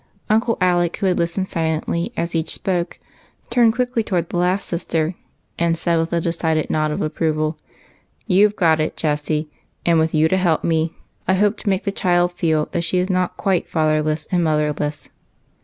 Uncle Alec, who had listened silently as each spoke, turned quickly toward the last sister, and said, with a decided nod of apj^roval, —" You 've got it, Jessie ; and, with you to help me, I hope to make the child feel that she is not quite father less and motherless."